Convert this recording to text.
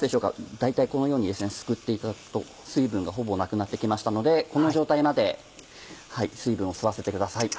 大体このようにですねすくっていただくと水分がほぼなくなって来ましたのでこの状態まで水分を吸わせてください。